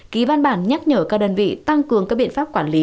ký văn bản nhắc nhở các đơn vị tăng cường các biện pháp quản lý